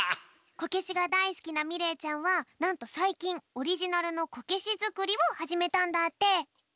こけしがだいすきなみれいちゃんはなんとさいきんオリジナルのこけしづくりをはじめたんだって。